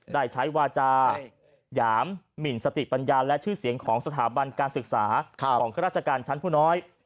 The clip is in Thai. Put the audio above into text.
ได้ใช้วาจาหยามหมินสติปัญญาและชื่อเสียงของสถาบันการศึกษาของข้าราชการชั้นผู้น้อย